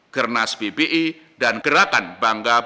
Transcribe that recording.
menyebabkan perusahaan baik dan jelas